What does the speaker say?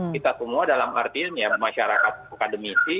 kita semua dalam artinya masyarakat akademisi